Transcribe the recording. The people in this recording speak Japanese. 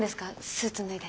スーツ脱いで。